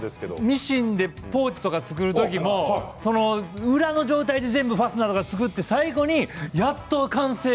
ミシンでポーチとか作る時も裏の状態でファスナーとか作って最後にやっと完成。